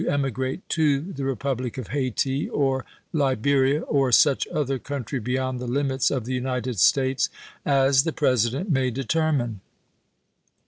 ^^ emigrate to the Republic of Hayti or Liberia, or apjrtved such othcr couutry beyond the limits of the United '^^2.^^' States as the President may determine."